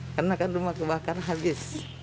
karena kan rumah kebakar habis